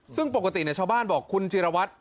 ซึ่งปกติชาวบ้านบอกคุณจิรวัตร